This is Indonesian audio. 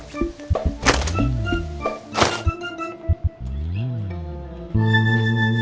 saints dengan pisang benar tidak bisa nyangkut amanew kaya macam mana itu troubles ya kang hunter